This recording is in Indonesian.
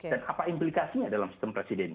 dan apa implikasinya dalam sistem presiden